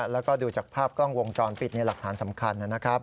แล้วก็ดูจากภาพกล้องวงจรปิดในหลักฐานสำคัญนะครับ